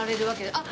あっ！